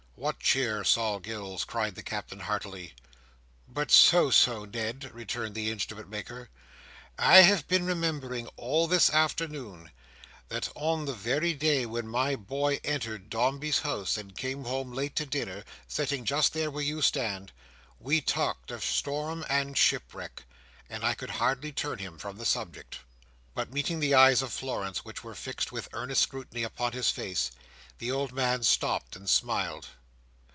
"What cheer, Sol Gills?" cried the Captain, heartily. "But so so, Ned," returned the Instrument maker. "I have been remembering, all this afternoon, that on the very day when my boy entered Dombey's House, and came home late to dinner, sitting just there where you stand, we talked of storm and shipwreck, and I could hardly turn him from the subject." But meeting the eyes of Florence, which were fixed with earnest scrutiny upon his face, the old man stopped and smiled.